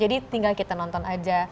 jadi tinggal kita nonton aja